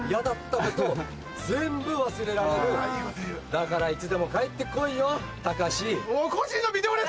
だからいつでも帰ってこいよタカシ。